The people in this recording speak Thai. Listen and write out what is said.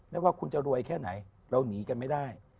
ไม่ว่าคุณจะรวยแค่ไหนเราหนีกันไม่ได้